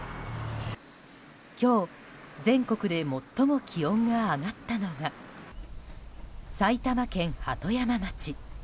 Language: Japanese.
今日、全国で最も気温が上がったのが埼玉県鳩山町。